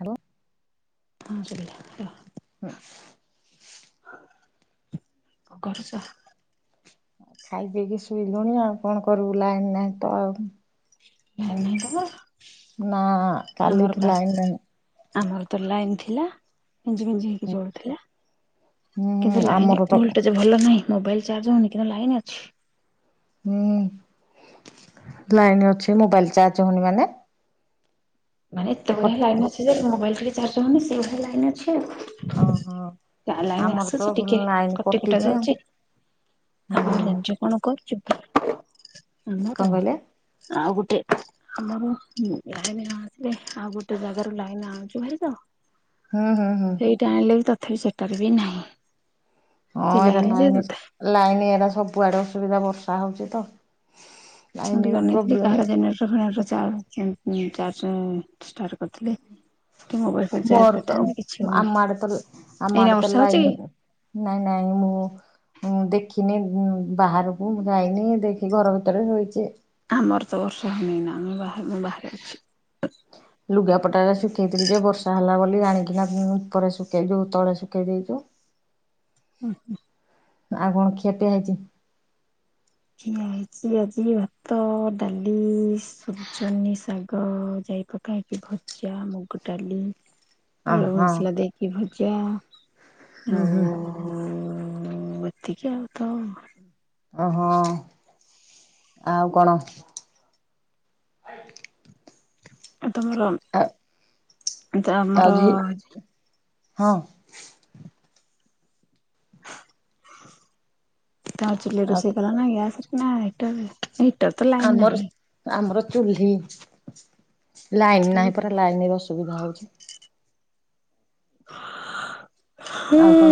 Hello [inaudible] ହ [inaudible] କରୁଛ ଆ ଖାଇ ପିଇକି ଶୋଇଲୁଣି ଆଉ କଣ କରିବୁ ଲାଇନ୍ ନାଇଁ ତ ଆଉ ଲାଇନ୍ ନାହିଁ ତମର। ନା ଆମର କାଲିଠୁ ପା ଲାଇନ ନାହିଁ। ଆମର ତ ଲାଇନ ଥିଲା। ଭିଞ୍ଜି ଫିଞ୍ଜି ହେଇକି ଜଳୁଥିଲା ହୁଁ କିନ୍ତୁ ଲାଇନ ଆମର ତ ଭଲଟେଜ ଭଲ ନାହିଁ। ମୋବାଇଲ ଚାର୍ଜ ହଉନି କିନ୍ତୁ ଲାଇନ ଅଛି। ହୁଁ ଲାଇନ ଅଛି ମୋବାଇଲ ଚାର୍ଜ ହଉନି ମାନେ। ମାନେ ଏେଢିଆ କଟି ଲାଇନ ଅଛି ଯେ ମୋବାଇଲ ଟିକିଏ ଚାର୍ଜ ହୁଏନି ସେଭଳିଆ ଲାଇନ୍ ଅଛି। ଓହୋ ତା ଲାଇନ୍ ଆମର ତ ଆସୁଛି ଟିକିଏ ଲାଇନ କଟି କଟା କଟିଛି ଆଉ। ଯାଉଛି। ଆମ ହୁଁ ରଜ କଣ କରୁଛୁ କଣ ଆମର କହିଲେ ଆଉ ଗୋ। ଆମର ଲାଇନ୍ ନ ଆସିଲେ ଆଉ ଗୋଟେ ଜାଗାରୁ ଲାଇନ ଆଣୁଛୁ ହାରୀ ତ। ହୁଁ ହୁଁ ହୁଁ ସେଇଟା ଆଣିଲେ ବି ତଥାପି ସେଟାରେ ବି ନାହିଁ। ହଁ ସେ ଏଟ ଯେ ଲାଇନ ତଥା ଲାଇନ ଏଟ ସବୁଆଡେ ଅସୁବିଧା ବର୍ଷା ହଉଛି ତ। ମୁ ଲାଇନର ଟ ନେଇେଇଥିଲି ପ୍ରୋବ୍ଲେମ କାହାର ଜେନେଟର ଫେନେଟ ଚା। ଚାରିଶହ ଷ୍ଟାର୍ଟ କରିଥିଲେ। କି ମୋବାଇଲ ଫୋବାଇଲ ଚାର୍ଜ ମୋର ତ କରିଥାନ୍ତି କିଛି ହଉନି ଆମ ଆଡେତ ଆମ ଏଇନା ଆଡେ ତ ବର୍ଷା ହଉଛି ଲାଇନ୍। କି? ନାଇଁ ନାଇଁ ମୁଁ। ମୁଁ ଦେଖିନି ବାହାରକୁ ଯାଇନି ଦେଖି ଘର ଭିତରେ ରହିଛି। ଆମର ତ ବର୍ଷା ହେଉନି ନା ଆମେ ବାହ ବାହାରେ ଅଛି। ଲୁଗାପଟା ଟା ଶୁଖେଇଥିଲି ଯେ ବର୍ଷା ହେଲା ବୋଲି ଆଣିକିନା ଉପରେ ଶୁଖେଇୁ ତଳେ ଶୁଖେଇ ଦେଇଛୁ। ହୁ। ଆଉ କଣ କ୍ଷତି ହେଇଛି। ଖିଆ ହେଇଛି ଆଜି ଭାତ ଡାଲି ସୁଜନୀ ଶାଗ ଯାଇ। ପକାହେଇଛି ଭଜା ମୁଗ ଡାଲି। ଅ ଆଳୁ ହଁ ମସଲା ଦେଇକି ଭଜା ଆଉ। ହଁ ଏତିକି ଆଉ ତ। ଓହୋ ଆଉ କଣ। ତମର ଆ ଆଉ ତମର। ଝି ହଁ। ତା ଚଲି ଆଉ ରୋଷେଇ କଲା ନା ଗ୍ୟାସିକ ନା ଏଇଟର ରେ। ହିଟର ତ ଲାଇନ ନାହିଁ। ଚୁଳି ଲାଇନ ନାହିଁ ହଁ ପା ଲାଇନ ଅସୁବିଧା ହଉଛି। ହୁଁ ଆଉ କଣ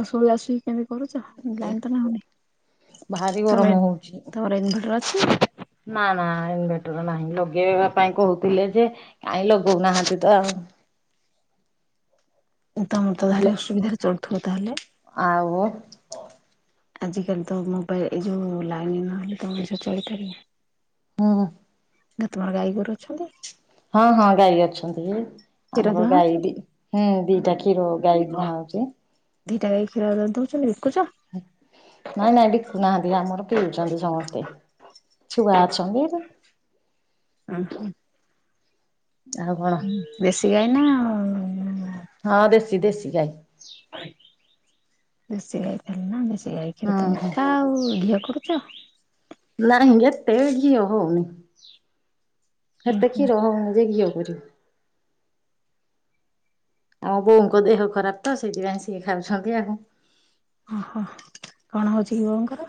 ଆସୁ ଆସୁ କେମିତି କରୁଛ ଲାଇନ ତ ନାହୁିନି। ଭାରି ଗରମ ତମେ ହଉଛି। ତମର ଇନଭଟର ଅଛି। ନା ନା ଇନଭେଟର ନାହିଁ ଲଗେଇବା ପାଇଁ କହୁଥିଲେ ଯେ କାଇଁ ଲଗଉନାହାନ୍ତି ତ ଆଉ। ତମ ତ ଭାରି ଅସୁବିଧାରେ ଚଳୁଥିବ ତାହେଲେ। ଆଉୋ। ଆଜିକାଲି ତ ମୋବାଇଲ ଏ ଯୋଉ ଲାଇନ ନହେଲେ ତ ମଣିଷ ଚଳିପାର। ହଁ‌। ନା ତୁମର ଗାଈ ଗୋରୁଛନ୍ତି ‌? ହଁ ହଁ ଗାଈ ଅଛନ୍ତି। କ୍ଷୀର ଆମର ଦୁହାଁ ହଉଛି ଗାଈ ଦି ହୁଁ ଦିଟା କ୍ଷୀର ଗାଈ ଧୂଆଁ ହଉଛି। ଦିଈଟା ଗାଇ କ୍ଷୀର ଦଉଛନ୍ତି ବିକୁଛ। ନାଇଁ ନାଇଁ ବିକୁ ନାହାନ୍ତି ଆମର ପିଉଛନ୍ତି ସମସ୍ତେ। ଛୁଆ ଅଛନ୍ତି। ଊ ହଁ। ଆଉ କଣ ଦେଶୀ ଗାଈ ନା। ହଁ ଦେସି ଦେସି ଗାଇ। [unintelligible] ସେ ଗାଈ ହୁଁ କ୍ଷୀର ତ ହୁଁ। ମିଠା ଆଉ ଘିଅ କରୁଛ। ନାଇଁ ଏତେ ଘିଅ ହଉନି ଏତେ ଉହୁଁ କ୍ଷୀର ହଉନି ଯେ ଘିଅ [unintelligible] ଆମ ବୋଉଙ୍କ ଦେହ ଖରାପ ତ ସେଇଥିପାଇଁ ସିଏ ଖାଉଛନ୍ତି ଆଗ ଓହୋ କଣ ହଉଛିକି ବୋଉଙ୍କର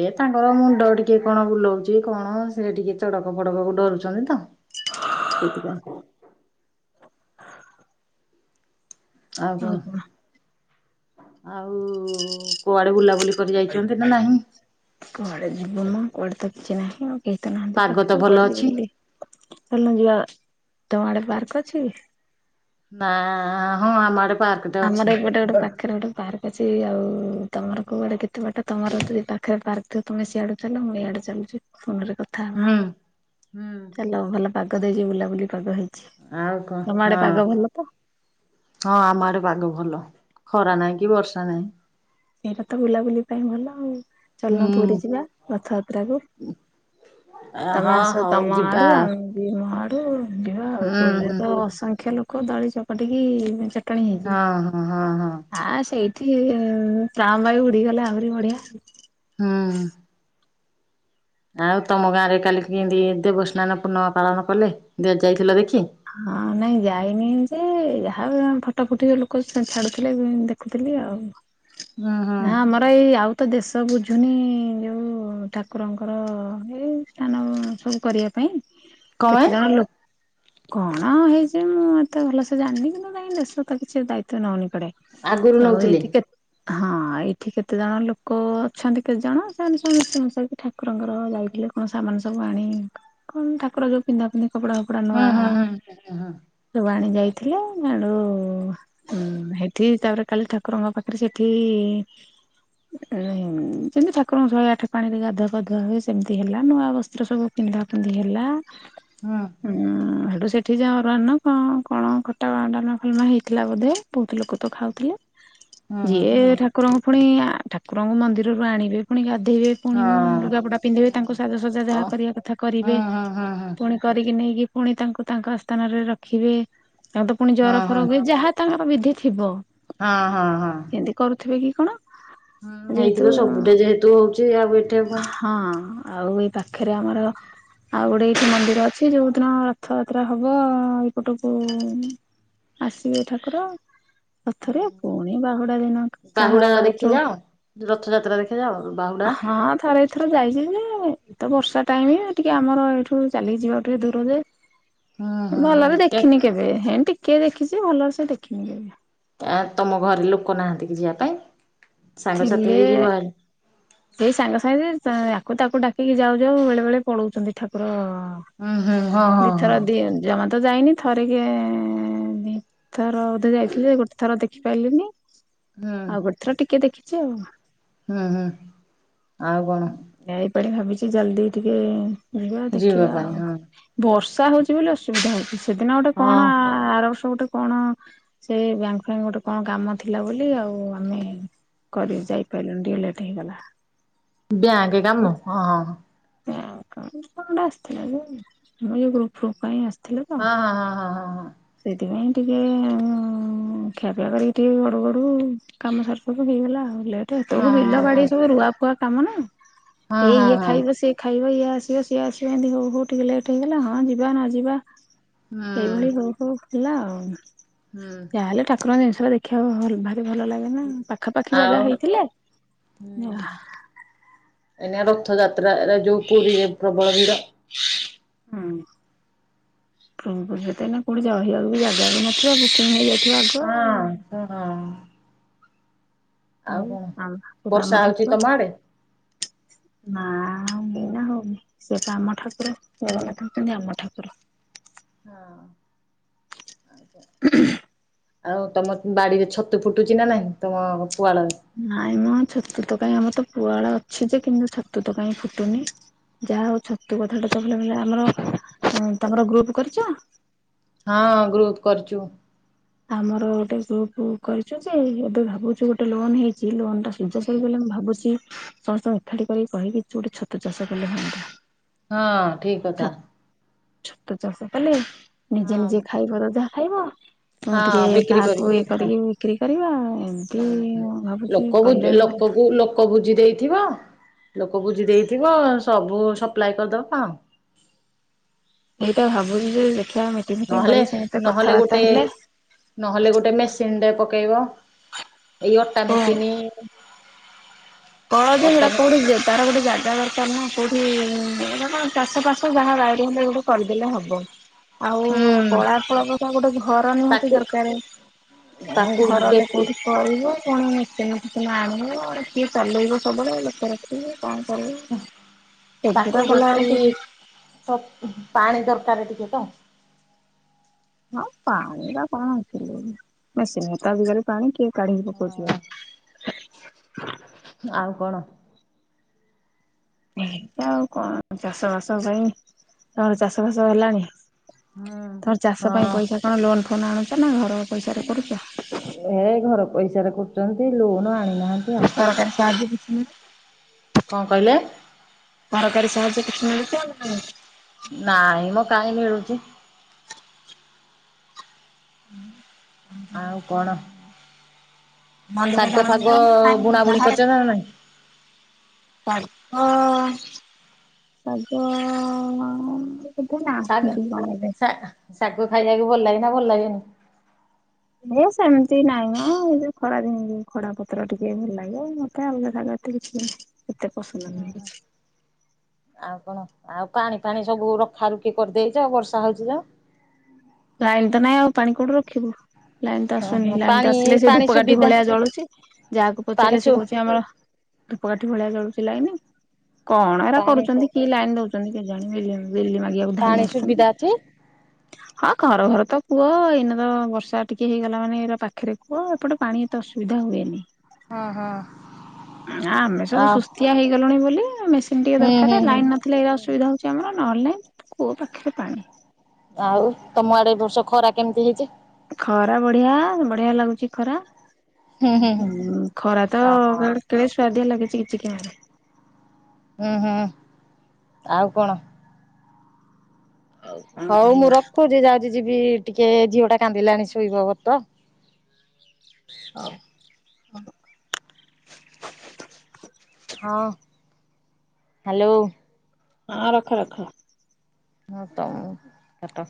ଏ ତାଙ୍କର ମୁଣ୍ଡ ଟିକେ କଣ ବୁଲଉଛି କଣ ସେ ଟିକେ ଚଡକ ଫଡକକୁ ଡରୁଛନ୍ତି ତ ସେଇଥି ପାଇଁ ଆଉ କଣ ଆଉ କୁଆଡେ ବୁଲାବୁଲି କରି ଯାଇଛନ୍ତି ନା ନାହିଁ? [unintelligible] କୁଆଡ଼େ ଯିବ ମ କୁଆଡେ ତ କିଛି ନାହିଁ ଆଉ କେହି ତ ନାହାନ୍ତି ପାଗ ତ ପାଖରେ ଭଲ କୁଆଡେ ଯିବୁ ଅଛି ବୁଲି ଚାଲ ଯିବା ତମ ଆଡେ ପାର୍କ ଅଛି? ନା ହଁ ଆମ ଆଡେ ପାର୍କଟେ ଅଛି ଆମର ଏ ପଟେ ଗୋଟେ ପାଖରେ ଗୋଟେ ପାର୍କ କିଛି ଆଉ ତମର କୋଉଆଡେ କେତେ ବାଟ ତମର ତ ପାଖରେ ପାର୍କ ଥିବ ତମେ ସିଆଡୁ ଚାଲ ମୁଁ ଇଆଡେ ଚାଲି [unintelligible] ଫୋନ ରେ କଥା ହେବା ହୁଁ। ହୁଁ ଚାଲ ଭଲ ପାଗ ଦେଖିକି ବୁଲାବୁଲି କରିଦେବା ହେଇ ଆଉ କଣ ହଁ ହଁ ଆମ ଆଡେ ପାଗ ଭଲ ଖରା ନାହିଁ କି ବର୍ଷା ନାହିଁ ଏଇଟାତ ବୁଲାବୁଲି ପାଇଁ ଭଲ ଆଉ ଚାଲୁନ ପୁରୀ ହୁଁ ଯିବା ରଥଯାତ୍ରାକୁ ତମେ ହଁ ଆସ ହଉ ତମ ଯିବା ଆଡୁ ଆଉ। ଆମେ ବି ଆଡୁ ଯିବା ଆଉ ହୁଁ ପୁରୀରେ ହୁଁ ତ ଅସଂଖ୍ୟ ଲୋକ ଦଳି ଚକଟିକି କାହିଁ ଯିବା ହଁ ହଁ ହଁ ହଁ ସେଇ କି ପ୍ରାଣବାୟୁ ଉଡିଗଲେ ଆହୁରି ବଢିଆ ହୁଁ ଆଉ ତମ ଗାଁ ରେ କାଲି କିନ୍ତି ଦେବସ୍ନାନ ପୂର୍ଣ୍ଣିମା ପାଳନ କଲେ ଯାଇଥିଲ ଦେଖି? ହଁ ନାଇଁ ଯାଇନି ଯେ ଯାହା ଫଟୋଫୁଟି ଲୋକ ଛାଡୁଥିଲେ ଦେଖୁଥିଲି ଆଉ ହୁଁ ହୁଁ। ହଁ ଆମର ଏଇ ଆଉ ତ ଦେଶ ତ ବୁଝୁନି ଯେଉଁ ଠାକୁରଙ୍କର ଏ ସ୍ନାନ ସବୁ କରିବା ପାଇଁ କଣ ପାଇଁ କେତେ ଜଣ ଲ କଣ ହେଇଛି ମୁଁ ଏତେ ଭଲସେ ଜାଣିନି କିନ୍ତୁ ନାଇଁ ଦେଶ ବିଷୟରେ ତ କିଛି ଦାୟିତ୍ଵ ନଉନି ଏପଟେ ଆଗରୁ ଆଉ ନଉଥିଲେ? ଏଇଠି କେତେ ହଁ ଆଉ ଏଇଠି କେତେଜଣ ଲୋକ ଅଛନ୍ତି କେତେ ଜଣ ସେମାନେ ମିଶ ମିଶାଇକି ଠାକୁରଙ୍କର ଯାଇଥିଲେ କଣ ସାମା ନ ସବୁ ଆଣି କଣ ଠାକୁର ଯୋଉ ପିନ୍ଧାପିନ୍ଧି କପଡା ଫପଡା ନୂଆ ହଁ ନା ହଁ ଥିଲା ଆଡୁ ସେଠି ତାପରେ କାଲି ଠାକୁରଙ୍କ ପାଖରେ ସେଠି ଯେମିତି ଠାକୁରଙ୍କୁ ଶହେ ଆଠ ପାଣିରେ ଗାଧୁଆ ପଧୁଆ ହୁଏ ସେମିତି ହେଲା ନୂଆ ବସ୍ତ୍ର ସବୁ ପିନ୍ଧା ପିନ୍ଧି ହେଲା ହୁଁ ଉଁ ସେଠି ଯଉ ଅରୁଆ ନ୍ନ କଣ କଣ ଖଟା ଡାଲମା ଫାଲମା ହେଇଥିଲା ବୋଧେ ବହୁତ ଲୋକ ତ ଖାଉଥିଲେ ହୁଁ ହୁଁ ହୁଁ ଯିଏ ଠାକୁରଙ୍କୁ ପୁଣି ଠାକୁରଙ୍କୁ ମନ୍ଦିରରୁ ଆଣିବେ ପୁଣି ଗାଧ ପିନ୍ଧିବେ ପୁଣି ହଁ। ଲୁଗାପଟା ପିନ୍ଧିବେ ତାଙ୍କୁ ସାଜସଜା ହଁ। ଓ ଯାହା କରିବା କଥା କରିବେ ହୁଁ ହୁଁ ହୁଁ ହୁଁ ପୁଣି କରିକି ନେଇକି ପୁଣି ତାଙ୍କୁ ତାଙ୍କ ସ୍ଥାନରେ ରଖିବେ ତାଙ୍କ ତ ପୁଣି ହଁ ଜର ହଁ ଫର ହୁଏ ଯାହା ତାଙ୍କର ବିଧି ଥିବ ହଁ ହଁ ହଁ ସେମିତି କରୁଥିବେ କି କଣ ହୁଁ ଯେହେତୁ ହେଇଥିବ ସବୁଠେ ଯେହେତୁ ହଉଛି ଆଉ ଏଠି କଣ ହଁ ଆଉ ଏଇ ପାଖରେ ଆମର ଆଉ ଗୋଟେ ଏଇଠି ମନ୍ଦିର ଅଛି ଯୋଉଦିନ ରଥଯାତ୍ରା ହବ ଏଇପଟକୁ ଆସିବେ ଠାକୁର ରଥରେ ପୁଣି ବାହୁଡା ଦିନଠୁ ବାହୁଡା ଦେଖି କାହାଠୁ ଯାଅ। ରଥଯାତ୍ରା ଦେଖି ଯାଅ ବାହୁଡା। ହଁ ଥରେ ଏଥର ଯାଇଛି ତ ବର୍ଷା ଟାଇମ ଟିକେ ଆମର ଏଇଠୁ ଚାଲି ଯିବା ଟିକେ ଦୂରରେ ହୁଁ ହୁଁ ଭଲରେ ଦେଖିନି ହୁଁ। କେବେ ହେ ଟିକେ ଦେଖିଛି ଭଲରେ ସେ ଦେଖିନି କେବେ। ଆମ ଘରେ ଲୋକ ନାହାନ୍ତି କି ଯିବା ପାଇଁ ସାଙ୍ଗସାଥି ଥିଲେ ହେଇକି ଯିବ ହେରି। ସେଇ ସାଙ୍ଗେ ସାଙ୍ଗେରେ ଆକୁ ତାକୁ ଡାକିକି ଯାଉ ଯାଉ ବେଳେ ବେଳେ ପଳଉଛନ୍ତି ଠାକୁର ହୁଁ ହୁଁ ହଁ ହଁ ହଁ ଦିଥର ଦି ଜମା ତ ଯାଇନି ଥରେ କି ଥର ବୋଧ ଯାଇଥିଲି ଗୋଟେ ଥର ଦେଖିପାରିଲିନି। ହୁଁ ଆଉ ଗୋଟେ ଥର ଟିକେ ଦେଖିଛି ଆଉ ହୁଁ ହୁଁ ଆଉ କଣ? ଣି ଭାବିଛି ଜଲଦି ଟିକେ ଯିବା ଦେଖିବା ପାଇଁ ଆଉ ହଁ। ବର୍ଷା ବର୍ଷା ହଉଛି ବୋଲି ଅସୁବିଧା ହୋଉଛି ସେଦିନ ହଁ କଣ ଆର୍ ବର୍ଷ ଗୋଟେ କଣ ସେ ବ୍ୟାଙ୍କ ଫାକ୍ ଗୋଟେ କଣ କାମ ଥିଲା ବୋଲି ଆଉ ଆମେ କଲେଜ ଯାଇପାରିଲୁନି ଟିକେ ଲେଟ୍ ହେଇଗଲା। ବିଆକେ କାମ ହଁ ହଁ କ ଆସିଥିଲା ଯେ ମୁଁ ଗ୍ରୁପ ଫୁବ୍ ପାଇଁ ଆସି ଥିଲେ ତ ହଁ ହଁ ସେଥିପାଇଁ ଟିକେ ଖିଆପିଆ କରିକି ଟିକେ ଗଡ଼ୁ ଗଡ଼ୁ କାମ ସାର ସବୁ ହେଇଗଲା ଆଉ ଲେଟ୍ ଏଠି ଏତେ ହଁ ତୋଳୁ ହଁ ବିଲ ହଁ ବାଡି ହଁ। ସବୁ ରୁଆ ଫୁଆ କାମ ନା ହଁ ଏଇ ହଁ ଇଏ ହଁ ହଁ ହଁ ହଁ ଖାଇବ ସିଏ ଖାଇ ଇଏ ଆସିବ ସିଏ ଆସିବ ଏମିତି ହଉ ହଉକା ଲେଟ୍ ହେଇଗଲା ହଁ ଯିବା ନ ଯିବା ହୁଁ ଏଇଭଳି ହଉ ହଉ ହେଲା ଆଉ ହୁଁ ଯାହାହେଲେ ଠାକୁରଙ୍କ ଜିନିଷ ଦେଖିବାକୁ ଭଲ ଭଲ ଲାଗେ ନା ପାଖାପାଖି ଆଉ ଜାଗା ହେଇଥିଲେ [inaudible] ଏନା ରଥଯାତ୍ରା ଯୋଉ ପୁରୀରେ ପ୍ରବଳ ଭିଡ। ହୁଁ କେତେ ନା କୋଉଠି ଯହିବାକୁ ବି ଜାଗା ବି ନଥିବା ବୁକିଂ ହେଇଯାଇଛି। ଯିଏ ଆଗୁଆ ହଁ ଆଉ ହଁ ଆଉ ବର୍ଷା ରାମ ହଉଛି ଠାକୁର ତମ ଆଡେ? [inaudible] ନା ଏଇନା ହଉନି ସିଏ ପା ଆମ ଠାକୁର ଜଗନ୍ନାଥ ହଉଛନ୍ତି ଆମ ଠାକୁର। [inaudible] ହଁ [unintelligible] ଆଉ ତମ ବାଡିରେ ଛତୁ ଫୁଟୁଛି ନାଇଁ ତମ ପୁଆଳରେ? ନାଇଁ ମ ଛତୁ ତୋକାଇଁ ଆମର ତ ପୁଆଡା ଅଛି ଯେ କିନ୍ତୁ ଛତୁ ତ କାଇଁ ଫୁଟୁନି। ଯାହା ହଉ ଛତୁ କଥା ଟା ତ ବ ଆମର ତମର ଗ୍ରୁପ କରିଚ? ହଁ ଗ୍ରୁପ୍ କରିଚୁ। ଆମର ଗୋଟେ ଗ୍ରୁପ କରି ଏବେ ଭାବୁଛୁ ଗୋଟେ ଲୋନ୍ ହେଇଛି ଲୋନ୍ ସରି ବୋଲି ମୁଁ ଭାବୁଛି ସମସ୍ତଙ୍କୁ ଏକାଠି କରିକି କହିବି ଯ ଗୋଟେ ଛତୁ ଚାଷ କଲେ ହୁଅନ୍ତା। ହଁ ଠିକ୍ ଛ କଥା। ଛତୁ ଚାଷ କଲେ ନିଜେ ହଁ ନିଜେ ଖାଇବ ତ ଯାହା ଖାଇବ। ହଁ ଟିକେ ବିକ୍ରି କର କାହାକୁ ଇଏ କରିକି ବିକ୍ରି କରିବା ଏମିତି ହଁ ଭାବୁଛି ଲୋକ କଲେ ଲୋକ ଭଲ। ଲୋକକୁ ଲୋକ ବୁଝି ଦେଇଥିବ। ଲୋକ ବୁଝି ଦେଇଥିବ ସବୁ ସପ୍ଲାଏ କରିଦବା। ସେଇଟା ଭାବୁନି ଯେ ଦେଖିବା ମିଟିଂ ଫିଟିଂ ନହେଲେ କରି ସମସ୍ତେ ନହେଲେ କଥାବାର୍ତ୍ତା ଗୋଟେ ହେଲେ ନହେଲେ ଗୋଟେ ମେସ୍ ପିଣ୍ଡ ରେ ପକେଇବ ଏଇ ଅଟା ହଁ ମେସିନି କଳ ସେଟା ହୁଁ କୋଉଠି ତାର ଗୋଟେ ଯାଗା ଦରକାର [inaudible] କୋଉଠି ଚାଷ ଫାସ ଯାହା ବାଡିରେ ଯାହା ବାଡିରେ କରିଦେଲେ ହବ। ଆଉ କଳା ଫଳକ ତ ଗୋଟେ ଘର ନିହାତି ତାକୁ ଦରକାର ଆଉ ତାକୁ ଘରଟେ ବେଶୀ କୋଉଠି କରିବ ଫୁନି ମିସେଇ ନାଇଁ ମ କିଏ ଚାଲେଇବ ସବୁବେଳେ ଲୋକ ରଖିକି କଣ କ ତାକୁ ସେଗୁଡା ବେଶୀ କଲାବେଳକୁ ସବ ପାଣି ଦରକାର ଟିକେ ତ ହଁ ପାଣିରେ କଣ ଅଛି ମେସିନରେ ତ ଆଜି କାଲି ପାଣି କିଏ କାଢିକି ପକଉଛି ଆଉ। ଆଉ କଣ ଏ ଆଉ କଣ ଚାଷ ବାସ ପାଇଁ ରଚାଷ ବାସ ହେଲାଣି। ହୁଁ ତୋର ଚାଷ ପାଇଁ ପଇସା କଣ ଲୋନ୍ ଫୋନ୍ ଆଣୁଛ ନା ଘର ପଇସାରେ କରୁଛ? ହେ ଘର ପଇସାରେ କରୁଛନ୍ତି ଲୋନ ଆଣିନାହାନ୍ତି। ଆଉ ସରକାର ସାହାଯ୍ୟ କିଛି କଣ କହିଲେ ସରକାରୀ ସାହାଯ୍ୟ କିଛି ନେଇଛନ୍ତି ନା ନାଇଁ। ନାଇଁ ମଁ କାହିଁ ମିଳୁଛି ହୁଁ ଆଉ କଣ ଶାଗ ମନ୍ଦିରକୁ ଫାଗ ବୁଣା ବୁଣି ଯାଅ କରିଛ ନାଇଁ? ନା ଯାଅ ନି ଅ ଆ ଶାଗ ଶା ଶାଗ ଖାଇବାକୁ ଭଲ ଲାଗେ ନା ଲାଗେ ନି। ଏ ସେମିତି ନାଇଁ ମ ଏ ଯଉ ଖରାଦିନରେ ଖଡ଼ା ପତ୍ର ଟିକେ ଭଲ ଲାଗେ ମତେ ଆଉ ମତେ କିଛି ଏତେ ପସନ୍ଦ ନୁହେଁ। ଆଉ କଣ ଆଉ ପାଣି ପାଣି ସବୁ ରଖା ରୁଖି କରିଦେଇଛ ବର୍ଷା ହଉଛି ଯେ ଲାଇନ୍ ତ ନାଇଁ ଆଉ ପାଣି କୋଉଠୁ ରଖିବୁ। ଲାଇନ୍ ତ ଆସୁନି ଓହୋ ଲାଇନ୍ ତ ପାଣି ଆସିଲେ ସେ ପାଣି ଧୂପକାଠି ସୁବିଧା ଭଳିଆ ଜଳୁଛି ଯାହାକୁ ପାଣି ପଚାରିଲେ ସେ ସୁ କହୁଛି ଆମର ଧୂପକାଠି ଭଳିଆ ଜଳୁଛି ଲାଇନ୍ କଣ ଏରା ପାଣି କରୁଛନ୍ତି କି ଲାଇନ୍ ଦଉଛନ୍ତି କେଜାଣି ବିଲ୍ ବିଲ୍ ମାଗିବାକୁ ଧାଇଁ ପାଣି ସୁବିଧା ଆସୁଛନ୍ତି। ଅଛି? ହଁ ଘର ଘର ତ କୁଅ ଏଇନ ତ ବର୍ଷା ଟିକେ ହେଇଗଲା ମାନେ ଏ ପାଖରେ କୁଅ ଏପଟେ ପାଣି ଏ ତ ଅସୁବିଧା ହୁଏ ନି। ହଁ ହଁ ଆମେ ଆ ସବୁ ସୁସ୍ଥିଆ ହେଇଗଲୁଣି ବୋଲି ମେସିନ୍ ଟିକେ ହୁଁ ହୁଁ ଦରକାର ହୁଁ। ଲାଇନ୍ ନଥିଲେ ଏଇ ଅସୁବିଧା ହେଉଛି ଆମର ନହେଲେ କୁଅ ପାଖରେ ପାଣି ଆଉ ତମ ଆଡ଼େ ଏ ବର୍ଷ ଖରା କେମିତି ହେଇଛି। ଖରା ବଢ଼ିଆ ବଢ଼ିଆ ଲାଗୁଛି ଖରା ହୁଁ ଖରା ତ ଓହୋ କେଡ଼େ ସୁଆାଦିଆ ଲାଗିଛି କିଛି କିରେ ହୁଁ ହୁଁ ଆଉ କଣ ଆଉ କଣ ହଉ ମୁଁ କହିବା ରଖୁଛି ଯାଉଛି ଯିବି ଟିକେ ଝିଅ ଟା କାନ୍ଦିଲାଣି ଶୋଇବବ ତ ହଉ ହ ହଁ ହ୍ୟାଲୋ ହଁ ରଖ ରଖ ହଁ ତ ମୁଁ କାଟ